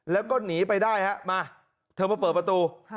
แล้วก็หนีไปได้ฮะมาเธอมาเปิดประตู